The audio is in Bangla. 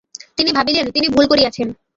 তিনি ভাবিলেন, তিনি ভুল করিয়াছেন।